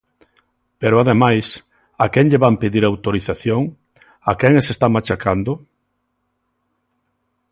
Pero, ademais, ¿a quen lle van pedir autorización?, ¿a quen as está machacando?